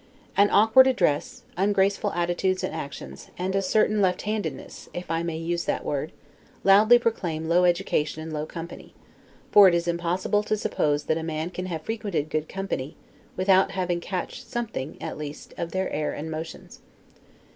An awkward address, ungraceful attitudes and actions, and a certain left handedness (if I may use that word), loudly proclaim low education and low company; for it is impossible to suppose that a man can have frequented good company, without having catched something, at least, of their air and motions.